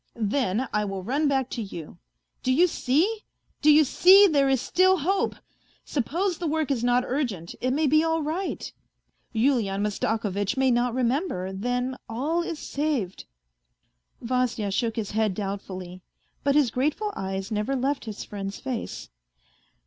Then I will run back to you. Do you see, do you see ! There is still hope ; suppose the work is not urgent it may be all right. Yulian Mastakovitch may not remember, then all is saved." Vasya shook his head doubtfully. But his grateful eyes never left his friend's face.